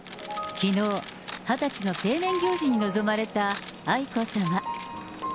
きのう、２０歳の成年行事に臨まれた愛子さま。